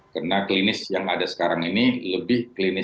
karena klinis yang ada sekarang ini lebih versi ragei